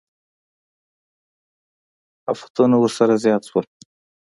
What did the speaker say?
افتونه ورسره زیات شول.